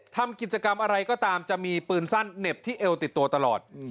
ทำกิจกรรมอะไรก็ตามจะมีปืนสั้นเหน็บที่เอวติดตัวตลอด